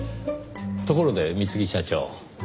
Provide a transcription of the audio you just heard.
ところで三次社長。